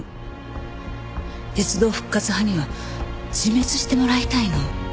鉄道復活派には自滅してもらいたいの。